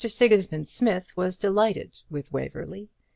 Sigismund Smith was delighted with Waverly.